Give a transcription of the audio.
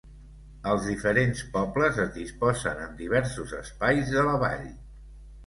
Els diferents pobles es disposen en diversos espais de la vall.